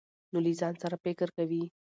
نو له ځان سره فکر کوي ،